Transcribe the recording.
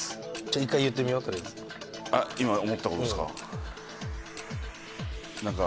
あっ今思ったことですか？